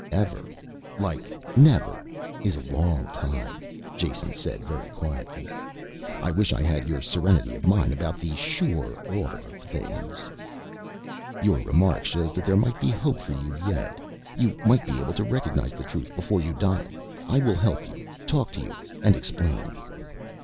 "Ever like never is a long time," Jason said very quietly. "I wish I had your serenity of mind about the sure order of things." "Your remark shows that there might be hope for you yet. You might be able to recognise the Truth before you die. I will help you, talk to you and explain."